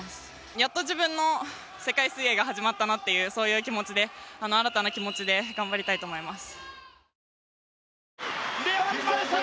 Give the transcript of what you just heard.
やっと自分の世界水泳が始まったなっていうそういう新たな気持ちで頑張りたいと思います。